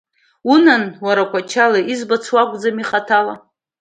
Унан, уара Қәачала, избац уакәӡам хаҭала!